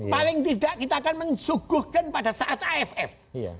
paling tidak kita akan mensuguhkan pada saat aff